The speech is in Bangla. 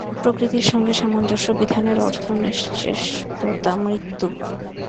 প্রকৃতির সঙ্গে সামঞ্জস্য বিধানের অর্থ নিশ্চেষ্টতা, মৃত্যু।